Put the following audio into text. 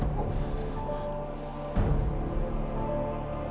tapi masa juga makan loh